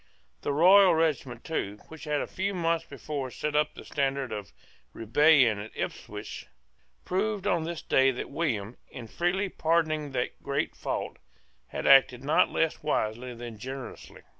The Royal regiment too, which had a few months before set up the standard of rebellion at Ipswich, proved on this day that William, in freely pardoning that great fault, had acted not less wisely than generously.